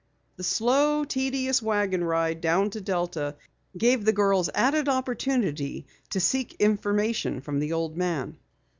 The slow, tedious wagon ride down to Delta gave the girls added opportunity to seek information from the old man.